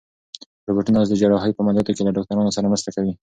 روبوټونه اوس د جراحۍ په عملیاتو کې له ډاکټرانو سره مرسته کوي.